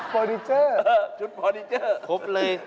นิเจอร์ชุดฟอร์นิเจอร์ครบเลย